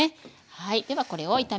はい。